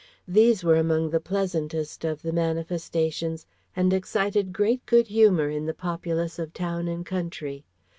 These were among the pleasantest of the manifestations and excited great good humour in the populace of town and country.